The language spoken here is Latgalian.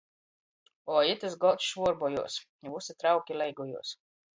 Oi, itys golds švuorbojās, i vysi trauki leigojās!